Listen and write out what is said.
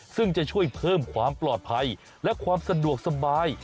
ซึ่งจะช่วยเพิ่มความปลอดภัยและความสะดวกสบาย